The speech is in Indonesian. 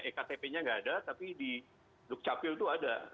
ektp nya nggak ada tapi di dukcapil itu ada